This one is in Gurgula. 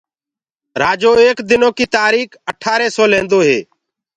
رآجو ايڪ دنو ڪيٚ تآريٚڪ اٺآري سو لينٚدو هي